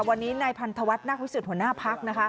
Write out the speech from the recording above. วันนี้ในพันธวัฒน์นักวิสุทธิ์หัวหน้าพักฯ